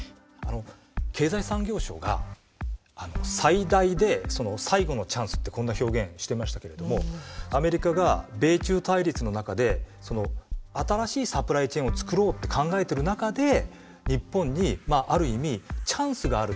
経済産業省が「最大で最後のチャンス」ってこんな表現していましたけれどもアメリカが米中対立の中で新しいサプライチェーンを作ろうって考えてる中で日本にある意味チャンスがある。